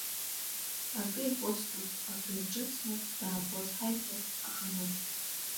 Акы ихәыцлап, ак ирҿыцлап, даабоз ҳаишәа аханы.